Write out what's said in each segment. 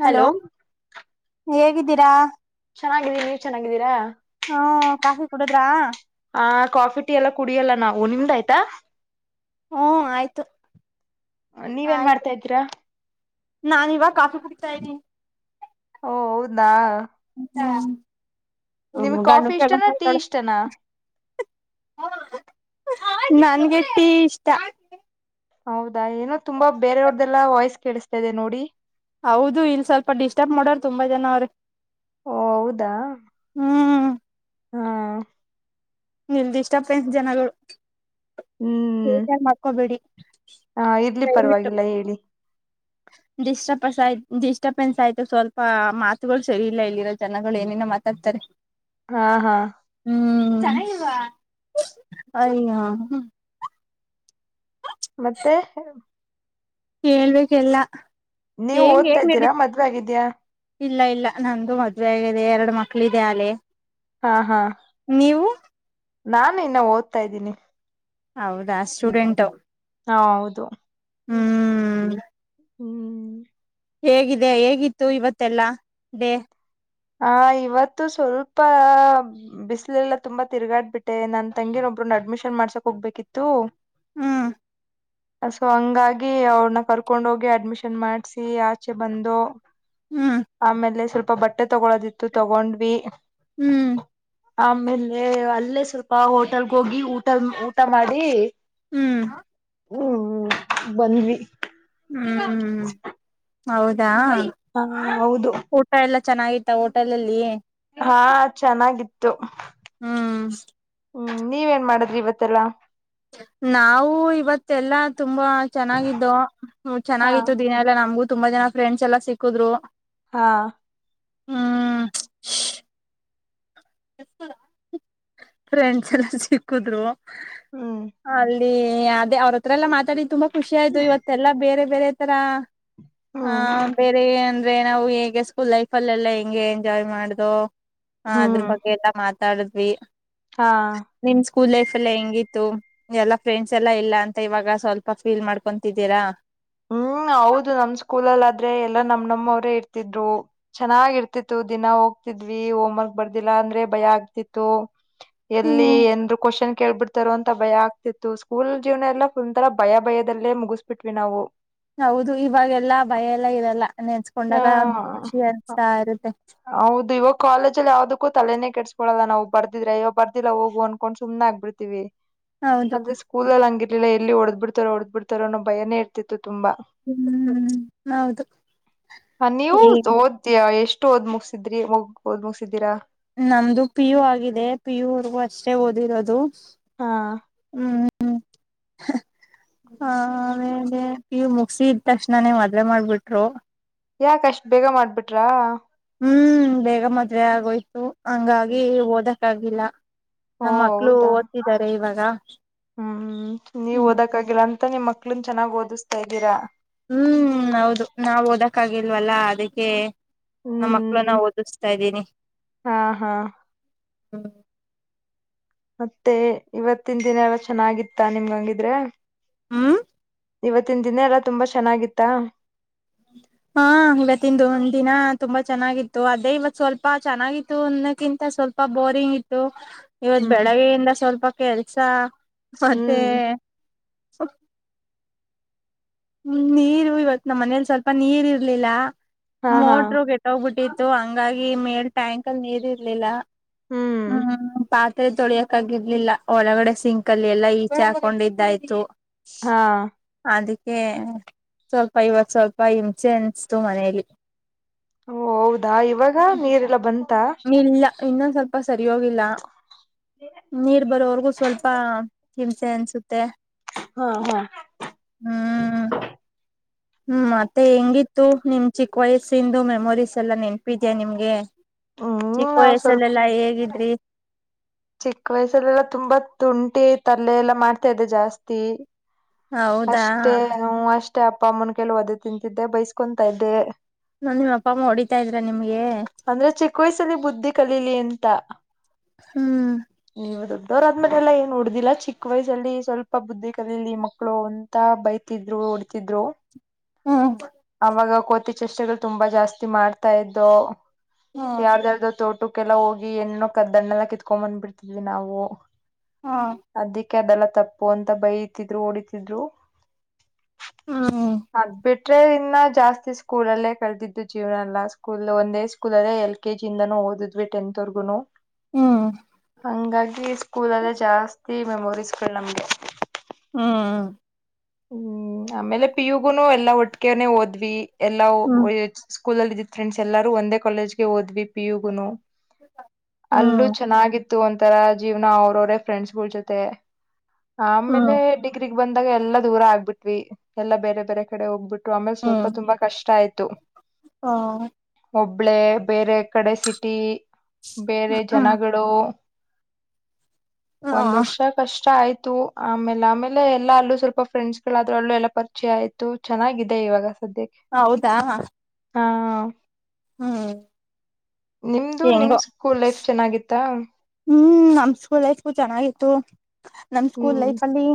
Hello ಹೇಗಿದ್ದೀರಾ. ಚೆನ್ನಾಗಿದ್ದೀರಿ ನೀವ್ ಚೆನ್ನಾಗಿದ್ದೀರಾ ಹ್ಮ ಕಾಫಿ ಕುಡುದ್ರಾ ಹ ಕಾಫಿ ಟೀ ಎಲ್ಲ ಕುಡಿಯಲ್ಲ ನಾವು ನಿಮ್ದ ಆಯ್ತಾ ಹ್ಮ ಆಯ್ತು ನೀವೇನ್ ಆಯ್ತು ಮಾಡ್ತಾ ಇದ್ದೀರಾ ನಾನ ಇವಾಗ ಕಾಫಿ ಕು [unintelligible] ಓ ಹೌದಾ ಹ ನಿಮಗ್ ಕಾಫಿ ಹಾ ಇಷ್ಟನಾ ಟೀ ಇಷ್ಟನಾ [unintelligible] ನನ್ಗೆ ಟೀ ಇಷ್ಟಾ ಹೌದಾ ಏನೋ ತುಂಬಾ ಬೇರೆಯವ್ರದೆಲ್ಲಾ ವಾಯ್ಸ್ ಕೇಳಿಸ್ತಾ ಇದೆ ನೋಡಿ. ಹೌದು ಇಲ್ ಸ್ವಲ್ಪ ಡಿಸ್ಟರ್ಬ್ ಮಾಡೋರ ತುಂಬಾ ಜನ ಅವ್ರೆ ಓ ಹೌದಾ ಹ್ಮ್ ಹ್ಮ ನಿಲ್ದ ಇಷ್ಟಪ್ಪ ಜನಗಳು ಹ್ಮ್ ಟ ಮಾಡ್ಕೊಬೇಡಿ ಹ ಇರ್ಲಿ ದಯವಿಟ್ಟು ಪರವಾಗಿಲ್ಲ ಹೇಳಿ ಡಿಸ್ಟರ್ಪನ್ಸ್ ಆಯ್ತ ಡಿಸ್ಟರ್ಬೆನ್ಸ್ ಆಯ್ತು ಸ್ವಲ್ಪ ಮಾತುಗಳು ಸರಿ ಇಲ್ಲ ಇಲ್ಲಿರೋ ಜನಗಳು ಏನೇನ ಮಾತಾಡ್ತಾರೆ ಹಾ ಹಾ ಅಯ ಮತ್ತೆ ಹೇಳ್ಬೇಕಲ್ಲ ನೀವು ಓದ್ತಾ ಇದ್ದೀರಾ ಮದ್ವೆ ಆಗಿದೀಯಾಾ ಇಲ್ಲ ಇಲ್ಲ ನಂದು ಮದ್ವೆ ಆಗಿದೆ ಎರಡು ಮಕ್ಕಳ ಇದೆ ಆಲೆ ಹಾ ಹಾ ನೀವು ನಾನು ಇನ್ನ ಓದತಾ ಇದ್ದೀನಿ ಹೌದಾ ಸ್ಟೂಡೆಂಟ್ ಹಾ ಹೌದು ಹ್ಮ್ ಹ್ಮ್ ಹೇಗಿದೆ ಹೇಗಿತ್ತು ಇವತ್ತೆಲ್ಲಾ ಡೇ ಹ ಇವತ್ತು ಸ್ವಲ್ಪ ಬಿಸಿಲೆಲ್ಲ ತುಂಬಾ ತಿರ್ಗಾಡ್ಬಿಟ್ಟೆ ನನ್ ತಂಗೀರ ಒಬ್ನ್ನ ಅಡ್ಮಿಷನ್ ಮಾಡ್ಸಕ್ ಹೋಗ್ಬೇಕಿತ್ತು ಹ್ಮ್ ಸೊ ಹಂಗಾಗಿ ಅವ್ರನ್ನ ಕರ್ಕೊಂಡ ಹೋಗಿ ಅಡ್ಮಿಷನ್ ಮಾಡ್ಸಿ ಆಚೆ ಬಂದು ಹ್ಮ್ ಆಮೇಲೆ ಸ್ವಲ್ಪ ಬಟ್ಟೆ ತಗೊಳೋದಿತ್ತು ತಗೊಂಡ್ವಿ ಹ್ಮ್ ಆಮೇಲೆ ಅ ಇಲ್ಲೇ ಸ್ವಲ್ಪ ಹೋಟೆಲ್ಗ ಹೋಗಿ ಊಟ ಊಟ ಮಾಡಿ ಹ್ಮ್ ಹ್ಮ್ ಬಂದ್ವಿ ಹ್ಮ್ ಹ್ಮ್ ಹೌದಾ ಹಾ ಹೌದು ಊಟ ಎಲ್ಲ ಚೆನ್ನಾಗಿತ್ತ ಹೋಟೆಲ್ ಅಲ್ಲಿ ಹಾ ಚೆನ್ನಾಗಿತ್ತು ಹ್ಮ್ ಹ್ಮ್ ನೀವೇಏನ್ ಮಾಡದ್ರಿ ಇವತ್ತೆಲ್ಲಾ ನಾವು ಇವತ್ತ ಎಲ್ಲಾ ತುಂಬಾ ಚೆನ್ನಾಗಿದ್ದು ಹಾ ಚೆನ್ನಾಗಿತ್ತು ದಿನ ಎಲ್ಲಾ ನಮಗೂ ತುಂಬಾ ಜನ ಫ್ರೆಂಡ್ಸ್ ಎಲ್ಲ ಸಿಕ್ಕಿದ್ರು ಹಾ ಹ್ಮ ಎ [inaudible] ಫ್ರೆಂಡ್ಸ್ ಎಲ್ಲ ಸಿಕ್ಕುದ್ರು ಹ್ಮ್ ಅ ಅದೇ ಅವ್ರ ಹತ್ರ ಎಲ್ಲ ಮಾತಾಡಿದ ತುಂಬಾ ಖುಷಿ ಆಯ್ತು ಇವತ್ತೆಲ್ಲಾ ಬೇರೆ ಬೇರೆ ತರ ಹಾ ಹ್ಮ್ ಬೇರೆ [unintelligible] ಆದೆ ನಾವು ಹೇಗೆ ಸ್ಕೂಲ್ ಲೈಫ ಅಲ್ಲೆಲ್ಲಾ ಹೆಂಗೆ ಎಂಜಾಯ್ ಮಾಡುದು ಹಾ ಅದ್ರ ಹ್ಮ್ ಬಗ್ಗೆ ಎಲ್ಲ ಮಾತ ಮಾತಾಡಿದ್ವಿ ಹಾ ನಿಮ್ ಸ್ಕೂಲ್ ಲೈಫ್ ಎಲ್ಲ ಹೆಂಗಿತ್ತು ಎಲ್ಲಾ ಫ್ರೆಂಡ್ಸ್ ಎಲ್ಲಾ ಇಲ್ಲ ಅಂತ ಇವಾಗ ಸ್ವಲ್ಪ ಫೀಲ್ ಮಾಡ್ಕೊತಿದ್ದೀರಾ ಹ್ಮ್ ಹೌದು ನಮ್ ಸ್ಕೂಲಲ್ಲಿ ಆದ್ರೆ ಎಲ್ಲಾ ನಮ್ ನಮ್ಮವ್ರೇ ಇರ್ತಿದ್ರು ಚೆನ್ನಾಗಿ ಇರ್ತಿತ್ತು ದಿನ ಹೋಗ್ತಿದ್ವಿ ಹೋಮ್ ವರ್ಕ್ ಬರ್ದಿಲ್ಲ ಅಂದ್ರೆ ಭಯ ಆಗ್ತಿತ್ತು ಎಲ್ಲಿ ಹ್ಮ್ ಏನಾದ್ರು ಕ್ವೆಶ್ಚನ್ ಕೇಳ್ಬಿಡ್ತಾರೋ ಅಂತ ಭಯ ಆಗ್ತಿತ್ತು ಸ್ಕೂಲ್ ಜೀವನ ಎಲ್ಲ ಫುಲ್ ತರ ಭಯ ಭಯದಲ್ಲೇ ಮುಗಿಸ್ಬಿಟ್ವಿ ನಾವು ಹೌದು ಇವಾಗೆಲ್ಲಾ ಭಯ ಎಲ್ಲ ಇರಲ್ಲ ಹಾ ನೆನ್ಸ್ಕೊಂಡಾಗ ಖುಷಿ ಅನ್ಸ್ತಾ ಇರುತ್ತೆ -ಹೌದು ಇವಾಗ ಕಾಲೇಜಲ್ಲಿ ಯಾವ್ದಕ್ಕೂ ತಲೆೇನೆೇ ಕೆಟ್ಸ್ಕೊಳಲ್ಲ ನಾವು ಬರ್ದಿದ್ರೆ ಅಯೋ ಬರ್ದಿಲ್ಲಾ ಹೋಗ ಅನ್ಕೊಂಡು ಸುಮ್ನೆ ಆಗ್ಬಿಡ್ತೀವಿ ಹೌದು ಅದೇ ಸ್ಕೂಲ್ ಅಲ್ಲಿ ಹಿ [unintelligible] ಇಲ್ಲ ಎಲ್ಲಿ ಹೊಡಿದು ಬಿಡ್ತಾರೋ ಹೊಡದ ಬಿಡ್ತಾರನ್ನೋ ಭಯಾನೆ ಇರ್ತಿತ್ತು ತುಂಬಾ ಹ್ಮ್ ಹ್ಮ್ ಹೌದು ಹ ನೀವು ತೋದ್ಯ [inaudible] ಎಷ್ಟು ಓದ್ ಮುಗಸಿದ್ರಿ ಮುಗ ಓದ್ ಮುಗಸಿದ್ದಿರಾ [inaudible] ನಮ್ದು ಪಿ ಯು ಆಗಿದೆ ಪಿಯುವರ್ಗೂ ಅಷ್ಟೇ ಓದಿರೋದು ಹಾ ಹ್ಮ್ ಹೇೇ [unintelligible] ಇವು ಮುಗಿಸಿ ಇದ ತಕ್ಷಣನೇ ಮದುವೆ ಮಾಡ್ಬಿಟ್ರು ಯಾಕಷ್ಟ್ ಬೇಗ ಮಾಡ್ಬಿಟ್ರಾ ಹ್ಮ್ ಬೇಗ ಮದುವೆ ಆಗೋಯ್ತು ಹಂಗಾಗಿ ಹೋದ [unintelligible] ಕ್ಕಾಗಿಿಲ್ಲ ಓ ನಮ್ಮ ಮಕ್ಳು ಹೌದಾ ಓದ್ತಿದ್ದಾರೆ ಇವಾಗ ಹಾ ಹ್ಮ್ ನೀವ್ ಓದಕ್ಕಾಗಿಲ್ಲ ಅಂತ ನಿಮ್ಮಕ್ಳು ಚನ್ನಾಗ ಓದಿಸತ [unintelligible] -ಹ್ಮ್ ಹೌದು ನಾವ್ ಓದಕ್ಕ ಆಗಿಲ್ವಲ್ಲಾ ಅದಕ್ಕೆ ನಮ್ಮ ಮಕ್ಕಳನ ಹ್ಮ್ ಓದಿಸ್ತಾ ಇದ್ದೀನಿ ಹಾ ಹಾ ಹ್ಮ [unintelligible] ಮತ್ತೆ ಇವತ್ತಿನ ದಿನ ಎಲ್ಲ ಚೆನ್ನಾಗಿತ್ತ ನಿಮ್ಗ ಹಂಗಿದ್ರೆ ಹ್ಮ್ ಇವತ್ತಿನ ದಿನ ಎಲ್ಲಾ ತುಂಬಾ ಚೆನ್ನಾಗಿತ್ತ ಹಾ ಇವತ್ತಂದು ಒಂದ ದಿನ ತುಂಬಾ ಚೆನ್ನಾಗಿತ್ತು ಅದೇ ಇವತ್ ಸ್ವಲ್ಪ ಚೆನ್ನಾಗಿತ್ತು ಅಣ್ಣದಕ್ಕಿಂತ ಸ್ವಲ್ಪ ಬೋರಿಂಗ್ ಇತ್ತು ಇವತ್ ಹ್ಮ್ ಬೆಳಗ್ಗೆಯಿಂದ ಸ್ವಲ್ಪ ಕೆಲ್ಸ ಮತ್ತೆ ಹ್ಮ್ [unintelligible] ಹ್ಮ್ ನೀರು ಇವತ್ ನಮ್ಮ್ ಮನೇಲಿ ಸ್ವಲ್ಪ ನೀರ್ ಇರ್ಲಿಲ್ಲ ಹಾ ಹಾ ಮೋಟರು ಕೆಟ್ಟೋಗ್ಬಿಟ್ಟಿತ್ತು ಹಂಗಾಗಿ ಈ ಮೇಲ್ ಟ್ಯಾಂಕ್ ಅಲ್ಲಿ ನೀರ್ ಇರ್ಲಿಲ್ಲ ಹ್ಮ್ [unintelligible] ಕೈ ತೊಳಿಯಕ್ಕಾಗಿರ್ಲಿಲ್ಲ ಒಳಗಡೆ ಸಿಂಕಲ್ಲಿ ಎಲ್ಲ ಈಚೆ ಹಾಕೊಂಡಿದ್ದಾಯ್ತು ಹಾ ಅದ್ಕ್ ಏ ಸ್ವಲ್ಪ ಇವಾಗ ಸ್ವಲ್ಪ ಹಿಂಚೆ ಅನ್ಸತು ಮನೇಲಿ ಓ ಹೌದಾ ಇವಾಗ ನೀರೆಲ್ಲಾ ಬಂತ್ ಇಲ್ಲ ಇನ್ನೊಂದ್ ಸ್ವಲ್ಪ ಸರಿ ಹೋಗಿಲ್ಲ ನೀರ್ ಬರೋವರ್ಗೂ ಸ್ವಲ್ಪ ಹಿಂಸೆ ಅನ್ಸುತ್ತೆ ಹಾ ಹಾ ಹ್ಮ್ ಹ್ಮ್ ಮತ್ತೆ ಹೆಂಗಿತ್ತು ನಿಮ್ ಚಿಕ್ಕ ವಯಸ್ಸಿಂದು ಮೆಮೊರೀಸ್ ಎಲ್ಲಾ ನೆನ್ಪಿದ್ಯಾ ನಿಮ್ಗೆ ಹ್ಮ್ ಚಿಕ್ಕ ನಾವ್ ಸ್ವಲ್ಪ ವಯಸ್ಸಲ್ಲೆಲ್ಲಾ ಹೇಗಿದ್ರಿ ಚಿಕ್ಕ ವಯಸ್ಸಲ್ಲೆಲ್ಲ ತುಂಬಾ ತುಂಟಿ ತರ್ಲೆ ಎಲ್ಲ ಮಾಡ್ತಾ ಇದ್ದೆ ಜಾಸ್ತಿ ಹೌದಾ ಅಷ್ಟೇ ಹು ಅಷ್ಟೇ ಅಷ್ಟೇ ಅಪ್ಪ ಮುನ್ಕಲ್ಲಿ ಒದೆ ತಿಂತಿದ್ದೆ ಬೈಸ್ಕೊತಾ ಇದ್ದೆ ನನ್ ನಿಮ್ ಅಪ್ಪ ಅಮ್ಮ ಹೊಡಿತಾ ಇದ್ರ ನಿಮ್ಗೆ ಅಂದ್ರೆ ಚಿಕ್ಕ ವಯ್ಸಲ್ಲಿ ಬುದ್ಧಿ ಕಲೀಲಿ ತ ಹ್ಮ್ ನೀವು ದೊಡ್ಡೋರ್ ಮತ್ತೆಲ್ಲ ಏನ್ ಹೊಡ್ದಿಲ್ಲ ಚಿಕ್ಕ ವಯಸ್ಸಲ್ಲಿ ಸ್ವಲ್ಪ ಬುದ್ಧಿ ಕಲಿಲಿ ಮಕ್ಲ್ ಮಕ್ಕಳು ಅಂತ ಬೈತಿದ್ರು ಹೊಡಿತಿದ್ರು ಹ್ಮ್ ಅವಾಗ ಕೋತಿ ಚಷ್ಟೆಗಳು ತುಂಬಾ ಜಾಸ್ತಿ ಮಾಡ್ತಾ ಇದೋ ಹಾ ಯಾರ್ದ ಯಾರ್ದು ತೋಟುಕ್ ಕ್ಕೆ ಎಲ್ಲ ಹೋಗಿ ಎಣ್ಣ ಕದ್ದಣೆಲ್ಲ ಕಿತ್ಕೊಂಡ್ ಬಂದ್ಬಿಡ್ತಿದ್ವಿ ನಾವು ಹಾ ಕೆ ಅದಲ್ಲ ತಪ್ಪು ಅಂತ ಬೈತಿದ್ರು ಓಡಿತಿದ್ರು ಹ್ಮ್ ಆಗ್ಬೇಟ್ಟ ಇನ್ನ ಜಾಸ್ತಿ ಸ್ಕೂಲ್ ಅಲ್ಲೇ ಕಳದಿದ್ದು ಜೀವನ ಎಲ್ಲ ಸ್ಕೂಲ್ ಒಂದೇ ಸ್ಕೂಲ್ ಅಲ್ಲೇ ಎಲ್ ಕೆ ಜಿ ಇಂದನೂ ಓದಿದ್ವಿ ಟೆಂತ್ವರ್ಗುನು ಹ್ಮ್ ಹಂಗಾಗಿ ಸ್ಕೂಲ ಅಅಲ್ಲೇ ಜಾಸ್ತಿ ಮೆಮೊರೀಸ್ಗಳ ನಮ್ಗೆ. ಹಾ. ಹ್ಮ್ ಆಮೇಲೆ ಪಿಯುಗುನು ಎಲ್ಲಾ ಒಟ್ಟಿಗೆೆನೆೇ ಒದ್. ಪದ್ವಿ. ಎಲ್ಲಾವ. ಹ್ಮ್ ಸ್ಕೂಲ್ ಅಲ್ಲಿದಿದ್ದ ಫ್ರೆಂಡ್ಸ್ ಎಲ್ಲಾರು ಒಂದೇ ಕಾಲೇಜ್ ಗೆ ಹೋದ್ವಿ ಪಿಯುಗು ನು. ಅಲ್ಲೂ ಹ್ಮ್ ಚೆನ್ನಾಗಿತ್. ಒಂಥರಾ ಜೀವನ ಅವರ್ವ್ರೆ ಫ್ರೆಂಡ್ಸಗುಳ್ ಜೊತೆ. ಹ್ಮ್ ಆಮೇಲೆ ಡಿಗ್ರಿಗ್. ಬಂದಾಗ ಎಲ್ಲ. ದೂರ ಆಗ್ಬಿಟ್ವಿ ಎಲ್ಲಾ ಬೇರೆ ಬೇರೆ ಕಡೆ ಹೋಗ್ಬಿಟ್ಟವಿ. ಪ್ರಾಮಿಸ್ ಸ್ವಲ್ಪ ಹ್ಮ್ ತುಂಬಾ ಕಷ್ಟ ಆಯ್ತು ಒಬ್. ಹ್ಮ್ ಒಬ್ಳೆ ಬೇರೆ ಕಡೆ ಸಿಟಿ. ಬೇರೆ ಹ್ಮ್ ಜನಗಳು. ಒಂದ್ ವರ್ಷ ಕಷ್ಟ ಆಯ್ತ. ಯ್ತು ಆಮೇಲೆ ಆಮೇಲೆ ಎಲ್ಲಾ ಅಲ್ಲೂ ಸ್ವಲ್ಪ. ಫ್ರೆಂಡ್ಸಗಳಾದ್ರೂ ಅಲ್ಲೂ ಎಲ್ಲ ಪರಿಚಯ ಆಯ್ತು ಚೆನ್ನಾಗಿದೆ ಇವಾಗ. ಸದ್ಯಕ್ಕೆ ಹ ಹೌದಾ. ಹಾ ಹ್ಮ್. ನಿಮ್ದು ನಿಮ್ ಹೆಂಗೋ ಸ್ಕೂಲ್ ಲೈಫ್ ಚೆನ್ನಾಗಿತ್ತಾ. ಹ್ಮ್ ನಮ್ ಸ್ಕೂಲ್ ಲೈಫು ಚೆನ್ನಾಗಿತ್ತು. ನಮ್ ಸ್ಕೂಲ್ ಹ್ಮ್ ಲೈಫ್ಲ್ಲಿ.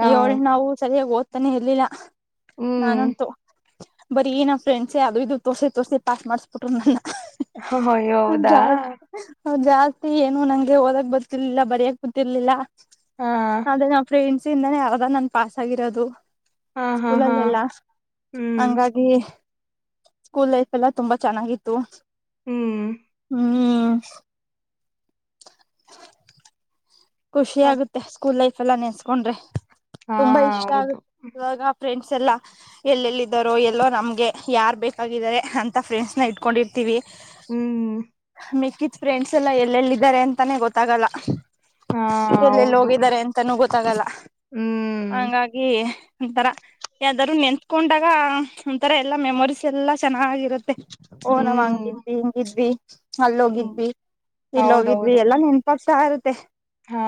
ಹ ಅಯ್ಯೋ ನಾವು ಸರಿಯಾಗಿ ಓದ್. ತಾನೆ ಇರಲಿಲ್ಲ. ಹ್ಮ್ ನಾನುಂಟು. ಬರೀ ನನ ಫ್ರೆಂಡ್ಸ್ ಅದು ಇದು ತೋರ್ಸಿ ತೋರ್ಸಿ ಪಾಸ್ ಮಾಡ್ಸಿಬಿಟ್ರು ನನ್ನಾ. ಹ ಹೊಯ ಹೌದಾ. ಜಾಸ್ತಿ ಏನು ನಂಗೆ ಓದಕ್ ಬರ್ತಿರ್ಲಿಲ್ಲ ಬರಿಯಕ್ ಬತಿರ್ಲಿಲ್ಲ. ಹಾ ಅದೇ ನಾ ಫ್ರೆಡ್. ದಾನೇ ಅರ್ದಾ ನಾನ್ ಪಾಸ್ ಆಗಿರೋದು. ಹಾ ಹಾ ಹಾ ಸ್ಕೂಲಲ್ಲೆಲ್ಲಾ ಹ್ಮ್ ಹಂಗಾಗಿ. ಸ್ಕೂಲ್ ಲೈಫ್ಯೆಲ್ಲಾ ತುಂಬಾ ಚೆನ್ನಾಗಿತ್ತು. ಹ್ಮ್. ಹ್ಮ್. [inaudible] ಖುಷಿ ಮತ್ ಆಗುತ್ತೆ ಸ್ಕೂಲ್ ಲೈಫ್ ಎಲ್ಲಾ ನೆನ್ಸ್ಕೊಂಡ್ರೆ, ಹಾ ತುಂಬಾ ಇಷ್ಟ ಹೌದು ಆಗುತ್ತೆ. ಇವಾಗ ಫ್ರೆಂಡ್ಸ್ ಎಲ್ಲ ಎಲ್ಲೆಲ್ಲಿದ್ದಾರೋ, ಎಲ್ಲೋ ನಮಗೆ ಯಾರು ಬೇಕಾಗಿದ್ದಾರೆ ಅಂತ ಫ್ರೆಂಡ್ಸ್ನ್ನ ಇಟ್ಕೊಂಡಿರ್ತೀವಿ. ಹ್ಮ್,, ಮಿಕ್ಕದ್ ಫ್ರೆಂಡ್ಸ್ ಎಲ್ಲ ಎಲ್ಲೆಲ್ಲಿದ್ದಾರೆ ಅಂತಾನೆ ಗೊತ್ತಾಗಲ್ಲ. ಹಾ ಎಲ್ಲೆಲ್ಲಿ ಹೌದು ಹೋಗಿದ್ದಾರೆ ಅಂತಾನೂ ಗೊತ್ತ ತಾಗಲ. ಹ್ಮ್ ಹಂಗಾಗಿ ಒಂತರ ಯಾವ್ದಾರೂ ನೆನ್ಸ್ಕೊಂಡಗ ಈಗ ಒಂಥರ ಎಲ್ಲಾ ಮೆಮೊರೀಸ್ ಎಲ್ಲಾ ಚೆನ್ನಾಗಿರುತ್ತೆ. ಓ, ನಾ ಹ್ಮ್ ಹಂಗಿದ್ವಿ, ಹಿಂಗಿದ್ವಿ ಹ್ಮ್ ಅಲ್ಲೋಗಿದ್ವಿ ಇಲ್ಲ ಹೋಗಿದ್ವಿ ಹೌದೌದು ಎಲ್ಲಾ ನೆನ್ಪಾಗ್ತಾ ಇರುತ್ತೆ. ಹಾ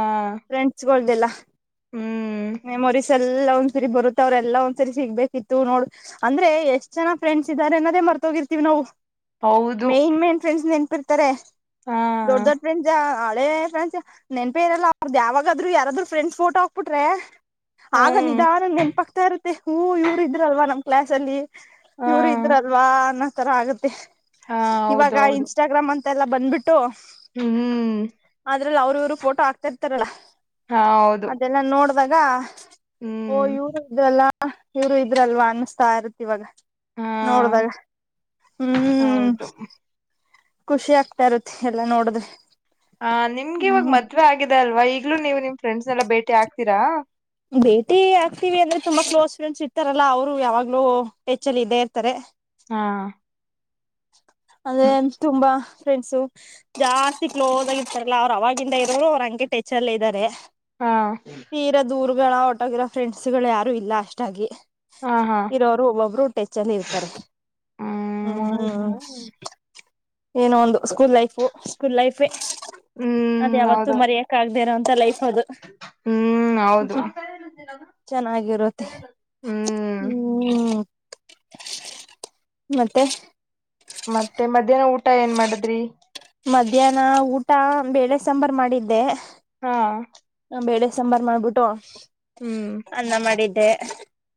ತ್ತ [inaudible] ಫ್ರೆಂಡ್ಸ್,,, ಗ್ದಲ್ಲ [unintelligible] ಹ್ಮ್ ಮೆಮೋರಿ ಸ [inaudible] ಎಲ್ಲಾ ಒಂದ್ಸರಿ ಬರುತ್ತ ಅವ್ರ ಎಲ್ಲಾ ಒಂದ್ಸ ಸರಿ ಸಿಗ್ಬೇಕಿತ್ತು. ನೋಡ್ ಅಂದ್ರೆ ಎಷ್ಟ್ ಜನ ಫ್ರೆಂಡ್ಸ್ ಇದ್ದಾರೆ ಅನ್ನೋದೇ ಮರ್ತೋಗಿರ್ತಿವಿ ನಾವು. ಹೌದು ಮೇನ್ -ಮೇನ್ ಫ್ರೆಂಡ್ಸನೆ ಪ್ಪಿಡ್ತಾರೆ [inaudible] ಹಾ ದೊಡ್ಡ ದೊಡ್ ಸ [inaudible] ನೆನ್ಪೇ ಇರಲ್ಲ ಅವ್ರ್ದು ಯಾಗಾದ್ರು, ಯಾರಾದ್ರರು ಫ್ರೆಂಡ್ ಫೋಟೋ ಹಾಕ್ಬಿಟ್ರೆ, ಆಗ ಹ್ಮ್ ನಿಧಾನ ನೆನ್ಪಕ್ತಾ ಇರುತ್ತೆ ಹೂ ಇವ್ರು ಇದ್ರಲ್ವಾ ನಮ ಕ್ಲಾಸ್ ಅಲ್ಲಿ, ಹಾ ಇವರು ಇದ್ರಲ್ವಾ, ಒಂತರ ಆಗುತ್ತೆ. ಹಾ ಇವಾಗ ಹೌದು ಹೌದು ಇನ್ಸ್ಟಾಗ್ರಾಮ್ ಅಂತ, ಮತ್ತೆಲ್ಲ ಬಂದ್ಬಿಟ್ಟು. ಹ್ಮ್,, ಅದ್ರಲಿ ಅವರು, ಇವರು ಫೋಟೋ ಆಕ್ತಾ ಇರ್ತಾರಲ್ಲಾ,, ಹಾ, ಹೌದು... ಇವಾಗ ಓ ಹ್ಮ್ ಇವರದಲ್ಲಾ. ಆ ಇವ್ರು ಇದ್ರಲ್ವಾ ಅನಸ್ತಾ ಇರತ್ತ ಇವಾಗ. ಹಾ ನೋಡಿದಾಗ ಹ್ಮು. ಹೌದು ಖುಷಿ ಆಗ್ತಾ ಇರುತ್ತ ಎಲ್ಲಾ ನೋಡಿದ್ರೆ. ಹಾ ನಿಮ್ಗೆ ಇವಾಗ ಹ್ಮ್ ಮದ್ವೆ ಆಗಿದೆ ಅಲ್ ಅವ ಈಗ್ಲೂ ನೀವು ನಿಮ್ ಫ್ರೆಂಡ್ಸ್ನೆಲ್ಲ ಭೇಟಿ ಆಗ್ತೀರಾ. ಭೇಟಿ ಆಗ್ತೀವಿ ಅಂದ್ರೆ ತುಂಬಾ ಕ್ಲೋಸ್ ಫ್ರೆಂಡ್ಸ್ ಇರ್ತಾರಲ್ಲಾ ಅವ್ರು ಯಾವಾಗ್ಲೂ ಹೆಚ್ಚಲ್ಲಿ ಇದ್ದೇ ಇರ್ತಾರೆ. ಹಾ ಅದೇ ಅನಸ್ತು ತುಂಬಾ ಫ್ರೆಂಡ್ಸು ಜಾಸ್ತಿ ಕ್ಲೋಸ್ ಆಗಿರ್ತಾರಲ್ಲ ಅವರ ಅವಾಗಿಂದ ಇರೋರು ಅವ್ರ ಅಂಗೆ ಟೆಚ್ಚಲ್ಲೇ ಇದ್ದಾರೆ. ಹಾ ತೀರ ದೂರು [unintelligible] ಹೋರಟೋಗಿರೋ ಫ್ರೆಂಡ್ಸ್ಗಳ ಯಾರು ಇಲ್ಲ ಅಷ್ಟಾಗಿ. ಹಾ ಹಾ ಇರೋರು ಒಬ್ರು ಟೆಚ್ಚಲ್ಲಿ ಇರ್ತಾರೆ ಹ್ಮ್ ಹ್ಮು. ಅಸ್ ಏನೋ ಒಂದು. ಸ್ಕೂಲ್ ಲೈಫು ಸ್ಕೂಲ್ ಲೈಫೇ ಅದ ಯಾವತ್ತು ಹೌದಾ ಮರೆಯಕ್ ಆಗಾದೆಯಿರೋವಂತ್ ತಲೈ ಹೌದು ಹ್ಮ್ ಹೌದೌದು ಹ್ಮ್ ಹೌದು ಚೆನ್ನಾಗಿರುತ್ತೆ ಹ್ಮ್ ಹ್ಮು. ಮತ್ತೆ ಮತ್ತೆ ಮಧ್ಯಾಹ್ನ ಊಟ ಏನ್ ಮಾಡದ್ರಿ. ಮಧ್ಯಾಹ್ನ ಊಟ ಬೇಳೆ ಸಾಂಬಾರ ಮಾಡಿದ್ದೆ. ಹಾ ಬೇಳೆ ಸಾಂಬಾರ್ ಮಾಡ್ಬಿಟ್ಟು ಹ್ಮ್ ಅನ್ನ ಮಾಡಿದ್ದ ತ್ತೇ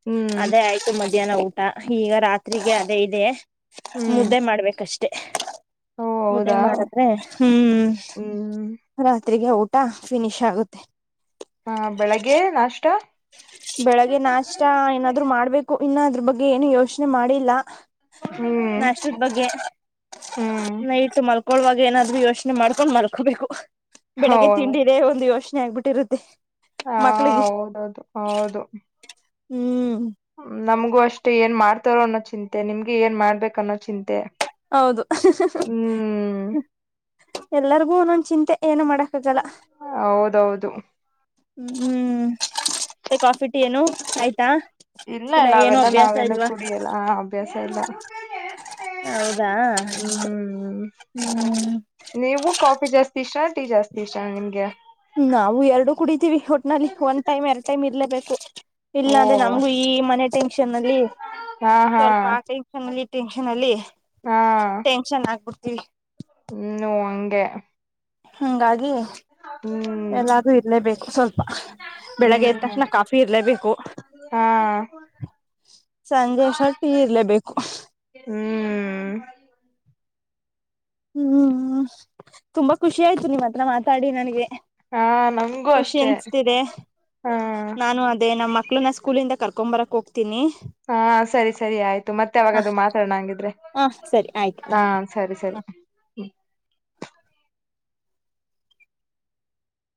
ಹ್ಮ್ ಅದೇ ಆಯ್ತು ಮಜ್ ಮಧ್ಯಾಹ್ನ ಊಟ ಈಗ ರಾತ್ರಿಗೆ ಅದೇ ಇದೆ. ಹ್ಮ್ ಮುದ್ದೆ ಮಾಡ್ಬೇಕಷ್ ತ್ತೇ ಓ ಮುದ್ದೆ ಹೌದಾ ಮಾಡದ್ರೆ ಹ್ಮು. ಹ್ಮ್ ರಾತ್ರಿಗೆ ಊಟ ಫಿನಿಶ್ ಆಗುತ್ತೆ. ಹಾ ಬೆಳಗ್ಗೆ ನಾಷ್ಟ. ಬೆಳಗ್ಗೆ ನಾಷ್ಟ ಏನಾದ್ರು ಮಾಡ್ಬೇಕು. ಇನ್ನ ಅದ್ರ ಬಗ್ಗೆ ಏನು ಯೋಚನೆ ಮಾಡಿಲ್ಲ. ಹ್ಮ್ ನಾಷ್ಟದ ಬಗ್ಗೆ ಹ್ಮ್ ನೈಟ್ ಇಟ್ಟು ಮಲ್ ಅಳುವಾಗ ಏನಾದ್ರೂ ಯೋಚನೆ ಮಾಡ್ಕೊಂಡ್ ಮಲಕೊಬೇಕು. ಬೆಳಿಗ್ಗೆ ಹೌದು ತಿಂಡಿದೆ ಒಂದುಷ್ಟು. ಆಗ್ಬಿಟ್ಟಿರುತ್ತೆ. ಹಾ, ಮಕ್ಳಿಗೆ ಹೌದೌದು. ಹೌದು., ಹ್ಮ್., ಹತಾರೋ ಅನ್ನೋ ಚಿಂತೆ ನಿಮ್ಗೆ ಏನ್ ಮಾಡ್ಬೇಕು ಅನ್ನೋ ಚಿಂತೆ. ಹೌದು. ಹ್ಮ್ ಎಲ್ಲರ ಹ ನು ಚಿಂತೆ. [unintelligible] ಏನು ಮಾಡಕ್ಕಾಗಲ್ಲ. ಹೌದೌದು ಹ್ಮ್, ಹ್ಮ್ ಮತ್ತೆ ಕಾಫಿ, ಟೀ ಏನು ಆಯ್ತಾ. ಇಲ್ಲ, ಇಲ್ಲ ಏನು ಅವೆಲ್ಲ ಅಭ್ಯಾಸ ನಾವೇನು ಇಲ್ವಾ ಕುಡಿಯಲ್ಲ ಅಭ್ಯಾಸ ಇಲ್ಲ. ಹೌದಾ... ಹ್ಮ್ ಹ್ಮ್ ನೀವು ಕಾಫಿ ಜಾಸ್ತಿ ಚಾ, ಟಿ ಜಾಸ್ತಿ ಇಷ್ಟಾನ ನಿಮ್ಗೆ., ನಾವು ಎರಡುಕುಡಿತೀವಿ ಒಟ್ನಲ್ಲಿ ಒನ್ ಟೈಮ್ ಎರಡ್ ಟೈಮ್ ಇರ್ಲೇಬೇಕು. -ಇಲ್ಲ ಓ ಅಂದ್ರೆ ನಮ್ಗೂ ಈ ಮನೆ ಟೆನ್ಕ್ಷನ್ ಅಲ್ಲಿ ಹಾ ಹಾ ಸ್ವಲ್ಪ ಆ ಟೆನ್ಅಲ್ಲಿ. ಟೆನ್ಕ್ಷನ್ ಅಲ್ಲಿ ಟೆನ್ಷನ್ ಆಗ್ಬು ಹ. [inaudible] ಹ್ಮೂ, ಹಂಗೆ. ಹಂಗಾಗಿ ಹ್ಮ್ ಎಲ್ಲಾರೂ ಇರಲೇಬೇಕು. ಹೊಲ್. [inaudible] ಬೆಳಗ್ಗೆ ಎದ್ ಹ್ಮ್ ತಕ್ಷಣ ಕಾಫಿ ಇರ್ಲೇಬೇಕು. ಹಾ ಸಂಜೆ ಒತ್ತಿಗೂಇರ್ಲೇಬೇಕು. ಹ್ಮ್ ಹ್ಮ್, ತುಂಬಾ ಖುಷಿ ಆಯ್ತು ನಿಮ್ಮ್ ಹತ್ರ ಮಾತಾಡಿ ನನ್ಗೆ. ಹಾ, ನಮ್ಗೂ ಅಷ್ಟೆ ಹಾ... ಮಕ್ಕಳನ ಸ್ಕೂಲಿಂದ ಕರ್ಕೊಂಬರಕ ಹೋಗ ಹಾ, ಸರಿ -ಸರಿ ಆಯ್ತು ಮತ್ತೆ ಹ ಏನಾದ್ರು ಮಾತಾಡಣಂಗಿದ್ರೆ. ಹ ಸರಿ ಆಯ್ತು ಹಾ, ಸರಿ ಹ ಸರಿ... ಹ. [inaudible]